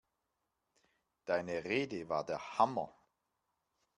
Deine Rede war der Hammer!